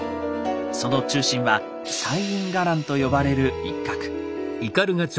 その中心は「西院伽藍」と呼ばれる一画。